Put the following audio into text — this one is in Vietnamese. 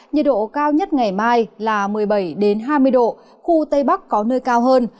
nhiệt độ cao nhất ngày mai là một mươi bảy hai mươi độ khu tây bắc có nơi cao hơn